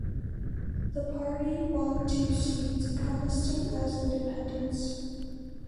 The party won two seats, contesting as independents.